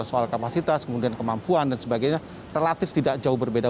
soal kapasitas kemudian kemampuan dan sebagainya relatif tidak jauh berbeda